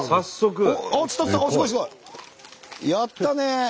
やったね！